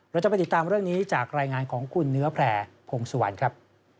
เราจะไปติดตามเรื่องนี้จากรายงานของคุณเนื้อแพร่พงศวรรค์ครับ